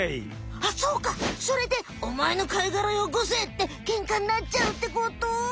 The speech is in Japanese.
そうかそれで「おまえの貝がらよこせ」ってケンカになっちゃうってこと？